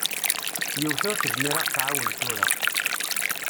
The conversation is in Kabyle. Yiwet ur tezmir ad ɣ-twaɛen tura.